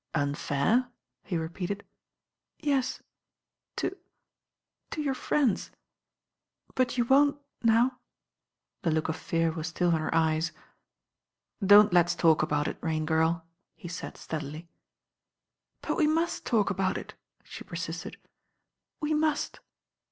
••Unfair?" he repeated. ••Yes, to — to your friends; but you won*t now?* The look of fear was still in her eyes. ••Don't let's talk about it, Rain^Irl," he taid steadily. ••But we must talk about it,'» she persisted *'W^ must.